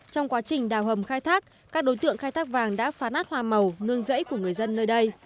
trong quá trình đào hầm khai thác các đối tượng khai thác vàng đã phá nát hoa màu nương dẫy của người dân nơi đây